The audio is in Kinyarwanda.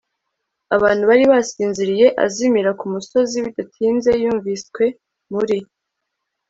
abantu bari basinziriye, azimira kumusozi. bidatinze yumviswe muri